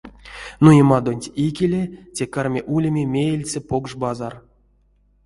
Нуемадонть икеле те карми улеме меельце покш базар.